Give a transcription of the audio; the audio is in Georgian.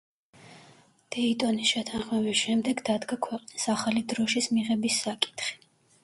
დეიტონის შეთანხმების შემდეგ დადგა ქვეყნის ახალი დროშის მიღების საკითხი.